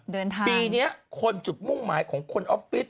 ปีนี้คนจุดมุ่งหมายของคนออฟฟิศ